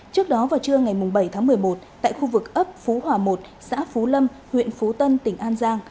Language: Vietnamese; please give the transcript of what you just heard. trước đó vào trưa ngày bảy tháng một mươi một tại khu vực ấp phú hòa một xã phú lâm huyện phú tân tỉnh an giang